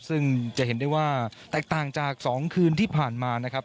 ซึ่งจะเห็นได้ว่าแตกต่างจาก๒คืนที่ผ่านมานะครับ